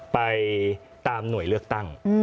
ไปตามหน่วยเลือกตั้ง